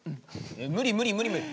無理無理無理無理。